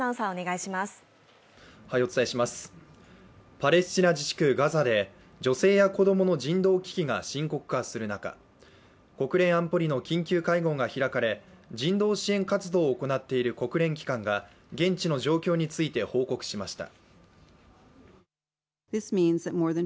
パレスチナ自治区ガザで女性や子供の人道危機が深刻化する中国連安保理の緊急会合が開かれ、人道支援活動を行っている国連機関が現地の状況について報告しました。